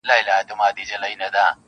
• څونه ښکلی معلومېږي قاسم یاره زولنو کي,